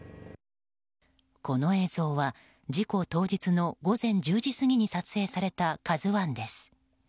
この映像は事故当日の午前１０時過ぎに撮影された「ＫＡＺＵ１」です。